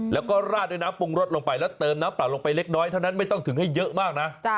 แล้วก็ราดด้วยน้ำปรุงรสลงไปแล้วเติมน้ำเปล่าลงไปเล็กน้อยเท่านั้นไม่ต้องถึงให้เยอะมากนะ